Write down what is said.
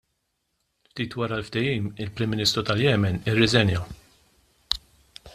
Ftit wara l-ftehim, il-Prim Ministru tal-Yemen irreżenja.